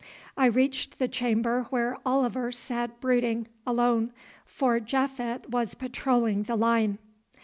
I reached the chamber where Oliver sat brooding alone, for Japhet was patrolling the line.